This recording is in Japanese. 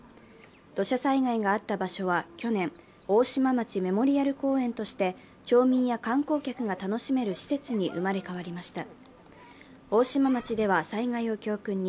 土砂災害があった場所は去年、大島町メモリアル公園として町民や観光客が楽しめる施設に生まれ変わりました。